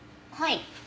はい。